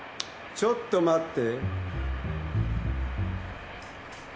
ちょっと待って。